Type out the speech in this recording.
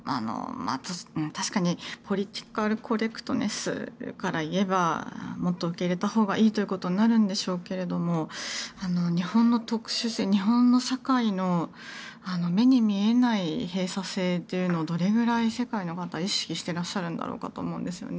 確かにポリティカル・コレクトネスから言えばもっと受け入れたほうがいいということになるんでしょうけど日本の特殊性日本の社会の目に見えない閉鎖性というのをどれくらい世界の方は意識してらっしゃるのかと思うんですよね。